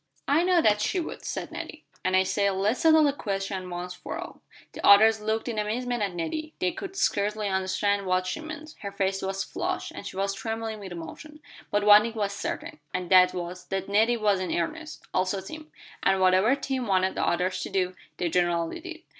"I know that she would," said Nettie; "and I say, let's settle the question once for all." The others looked in amazement at Nettie; they could scarcely understand what she meant. Her face was flushed, and she was trembling with emotion, but one thing was certain, and that was that Nettie was in earnest also Tim; and whatever Tim wanted the others to do they generally did.